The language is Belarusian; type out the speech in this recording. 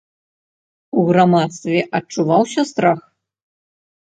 У грамадстве адчуваўся страх?